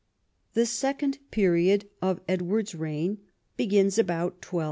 The second period of Edward's reign begins about 1290.